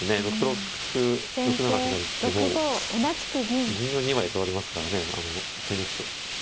６六歩６七歩成ってもう銀を２枚取られますからねあの手抜くと。